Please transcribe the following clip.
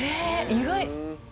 意外。